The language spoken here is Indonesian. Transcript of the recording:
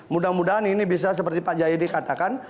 mudah mudahan ini bisa seperti pak jayadi katakan